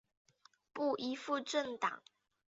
不依附政党！